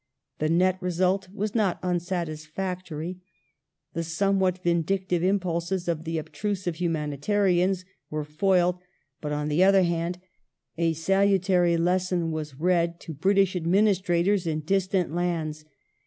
The nett result was not unsatisfactory. The somewhat vindictive impulses of the obtrusive humanitarians were foiled, but, on the other hand, a salutary lesson was read to British administrators in distant lands.